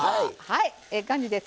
ええ感じです。